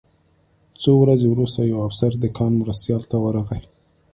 څو ورځې وروسته یو افسر د کان مرستیال ته ورغی